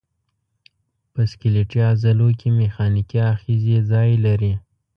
په سکلیټي عضلو کې میخانیکي آخذې ځای لري.